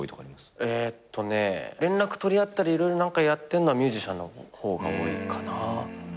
えっとね連絡取り合ったり色々何かやってんのはミュージシャンの方が多いかな。